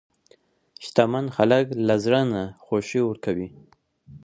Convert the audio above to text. شتمن خلک له زړه نه خوښي ورکوي.